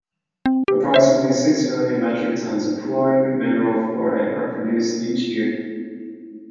Approximately six million metric tons of the fluorine mineral fluorite are produced each year.